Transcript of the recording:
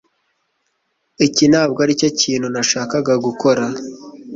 Iki ntabwo aricyo kintu nashakaga gukora.